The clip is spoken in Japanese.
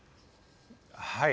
はい。